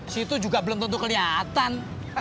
situ juga belum tentu kelihatan